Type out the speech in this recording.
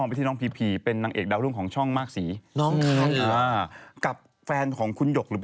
ค่ะพี่ไม่ใช่นางเอก